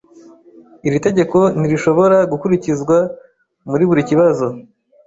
Iri tegeko ntirishobora gukurikizwa muri buri kibazo.